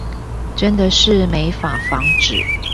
真的是沒法防止